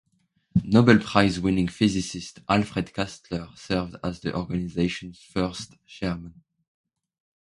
Nobel Prize-winning physicist Alfred Kastler served as the organization's first chairman.